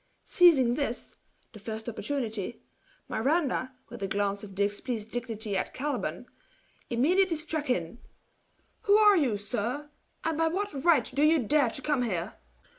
Seizing this, the first opportunity, Miranda, with a glance of displeased dignity at Caliban, immediately struck in: "Who are you, sir, and by what right do you dare to come here?"